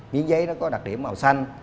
miếng giấy nó có đặc điểm màu xanh